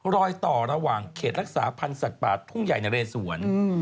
รอยต่อระหว่างเขตรักษาพันธ์สัตว์ป่าทุ่งใหญ่นะเรสวน